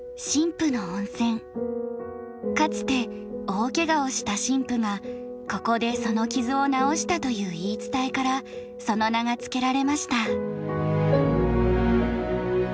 かつて大けがをした神父がここでその傷を治したという言い伝えからその名が付けられました。